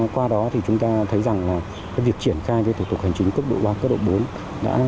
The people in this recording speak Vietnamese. qua đó chúng ta thấy rằng việc triển khai thủ tục hành chính cấp độ ba và cấp độ bốn